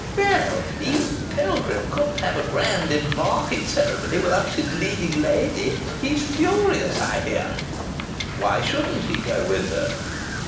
"Well, even Pilgrim couldn't have a grand embarking ceremony without his leading lady! He's furious, I hear." "Why shouldn't he go with her?"